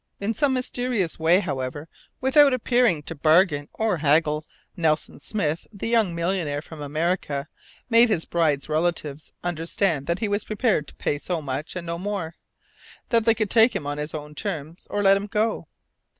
In some mysterious way, however, without appearing to bargain or haggle, Nelson Smith, the young millionaire from America, made his bride's relatives understand that he was prepared to pay so much, and no more. That they could take him on his own terms or let him go.